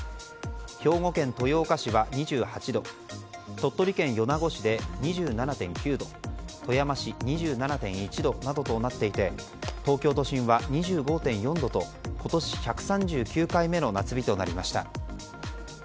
兵庫県豊岡市は２８度鳥取県米子市で２７．９度富山市２７．１度などとなっていて東京都心は２５．４度と今年１３９回目の夏日となりました。